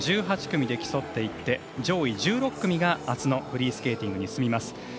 １８組で競っていって上位１６組があすのフリースケーティングに進みます。